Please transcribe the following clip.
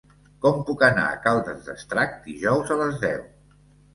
Com puc anar a Caldes d'Estrac dijous a les deu?